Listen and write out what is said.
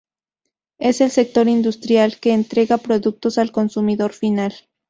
Es el sector industrial que entrega productos al consumidor final.